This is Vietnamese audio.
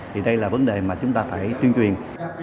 thì đây là vấn đề mà chúng ta phải tuyên truyền